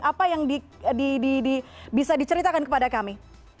apa yang bisa diceritakan kepada kami